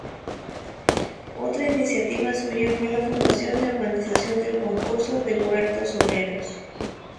Otra iniciativa suya fue la fundación y organización del "Concurso de Huertos Obreros".